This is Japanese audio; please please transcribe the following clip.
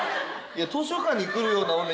図書館に来るような女